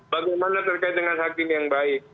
bagaimana terkait dengan hakim yang baik